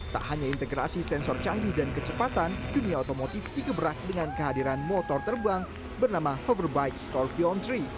tak hanya integrasi sensor canggih dan kecepatan dunia otomotif digeberak dengan kehadiran motor terbang bernama hoverbike storepion tiga